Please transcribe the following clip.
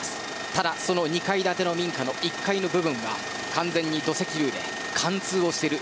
ただ、その２階建ての民家の１階の部分が完全に土石流で貫通している。